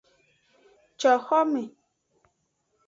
Coxome.